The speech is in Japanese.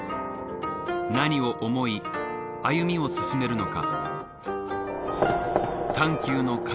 何を思い歩みを進めるのか。